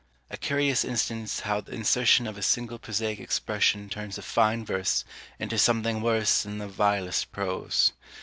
A curious instance how the insertion of a single prosaic expression turns a fine verse into something worse than the vilest prose.